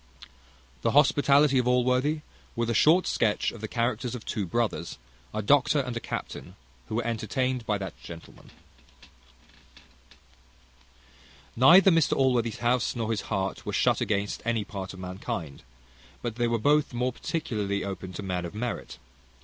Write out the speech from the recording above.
The hospitality of Allworthy; with a short sketch of the characters of two brothers, a doctor and a captain, who were entertained by that gentleman. Neither Mr Allworthy's house, nor his heart, were shut against any part of mankind, but they were both more particularly open to men of merit.